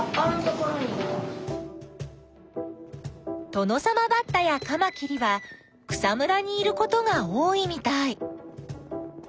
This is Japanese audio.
トノサマバッタやカマキリは草むらにいることが多いみたい。